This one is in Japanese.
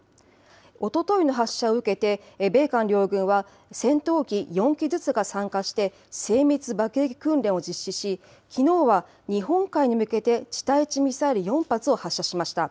おとといの発射を受けて米韓両軍は、戦闘機４機ずつが参加して、精密爆撃訓練を実施し、きのうは日本海に向けて、地対地ミサイル４発を発射しました。